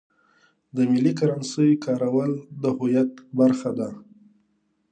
د ملي کرنسۍ کارول د هویت برخه ده.